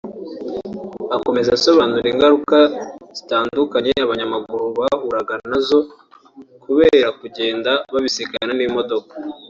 Akomeza asobanura ingaruka zitandukanye abanyamaguru bahuraga na zo kubera kugenda babisikana n’imodoka